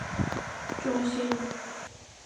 而示范单位设于湾仔英皇集团中心。